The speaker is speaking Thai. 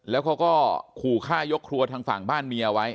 แล้วเขาก็ขู่ฆ่ายกครัวทางฝั่งบ้านเมียไว้